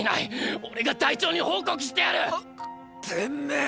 俺が隊長に報告してやる！！っ！！てめぇ！！